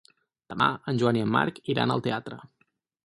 Demà en Joan i en Marc iran al teatre.